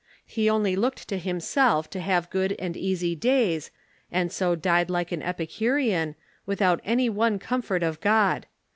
He only looked to himself to have good and easy days, and so died like an Epicurean, without any one comfort of God.